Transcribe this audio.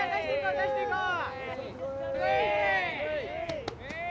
打たしていこう！